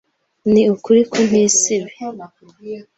Ni ukuri ko ntisibe